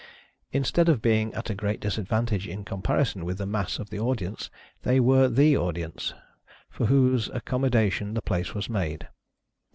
Instead of being at a great disadvantage in comparison with the mass of the jiudience, they were the audience, for whose accommodation the place was made.